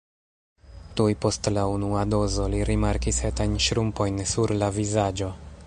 Tuj post la unua dozo li rimarkis etajn ŝrumpojn sur la vizaĝo.